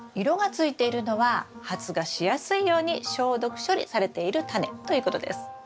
色がついているのは発芽しやすいように消毒処理されているタネということです。